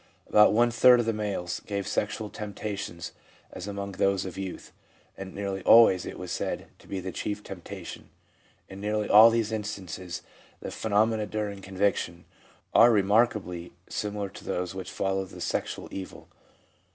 About one third of the males gave sexual temptations as among those of youth, and nearly always it was said to be the chief temptation. In nearly all these instances the phenomena during conviction are remarkably similar to those which follow the sexual evil.